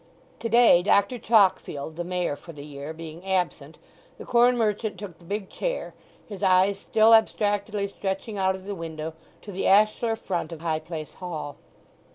To day Dr. Chalkfield, the Mayor for the year, being absent, the corn merchant took the big chair, his eyes still abstractedly stretching out of the window to the ashlar front of High Place Hall.